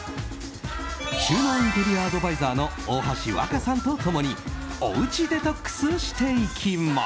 収納インテリアアドバイザーの大橋わかさんと共におうちデトックスしていきます。